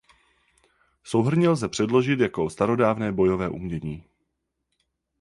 Souhrnně lze přeložit jako „starodávné bojové umění“.